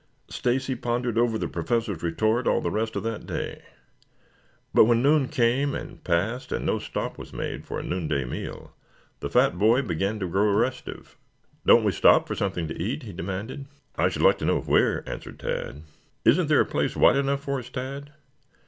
Stacy pondered over the Professor's retort all the rest of that day. But when noon came and passed and no stop was made for a noonday meal, the fat boy began to grow restive. "Don't we stop for something to eat?" he demanded. "I should like to know where?" answered Tad. "Isn't there a place wide enough for us, Tad?"